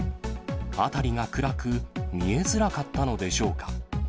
辺りが暗く、見えづらかったのでしょうか。